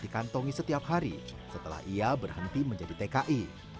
wati sudah mengkantongi setiap hari setelah ia berhenti menjadi tki